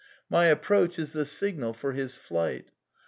My approach is the signal for his ^ flight.